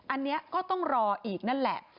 อันนี้ก็ต้องรออีกนั่นแหละ